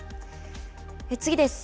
次です。